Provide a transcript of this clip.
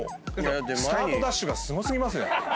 スタートダッシュがすご過ぎますよ。